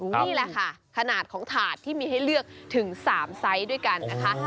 นี่แหละค่ะขนาดของถาดที่มีให้เลือกถึง๓ไซส์ด้วยกันนะคะ